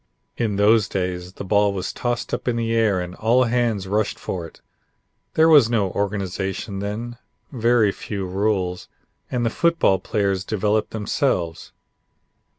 In those days the ball was tossed up in the air and all hands rushed for it. There was no organization then, very few rules, and the football players developed themselves.